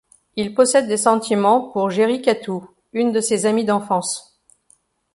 Il possède des sentiments pour Jeri Katou, une de ses amis d'enfance.